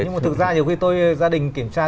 nhưng mà thực ra nhiều khi tôi gia đình